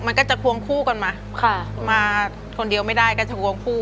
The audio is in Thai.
มันก็จะควงคู่กันมาค่ะมาคนเดียวไม่ได้ก็จะควงคู่